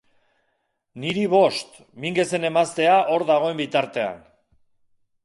Niri bost, Minguezen emaztea hor dagoen bitartean.